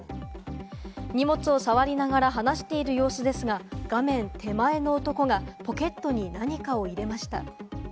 荷物をさわりながら話している様子ですが、画面手前の男がポケットに何かを入れました。